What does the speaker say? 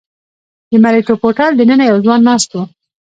د مریوټ هوټل دننه یو ځوان ناست و.